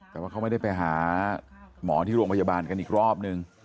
แต่ว่าเขาไม่ได้ไปหาหมอที่โรงพยาบาลกันอีกรอบนึง